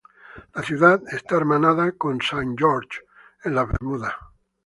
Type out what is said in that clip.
La ciudad está hermanada con Saint George, en las Bermudas.